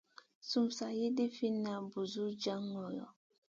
Sum sa lì ɗifinʼ ùh busun jaŋ ŋolo.